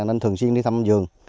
nên thường xuyên đi thăm vườn